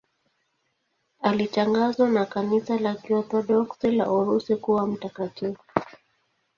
Alitangazwa na Kanisa la Kiorthodoksi la Urusi kuwa mtakatifu.